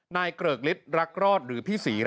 เกริกฤทธิรักรอดหรือพี่ศรี